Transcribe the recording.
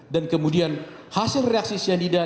dan kemudian hasil reaksi cyanida